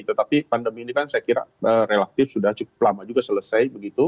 tetapi pandemi ini kan saya kira relatif sudah cukup lama juga selesai begitu